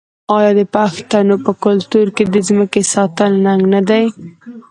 آیا د پښتنو په کلتور کې د ځمکې ساتل ننګ نه دی؟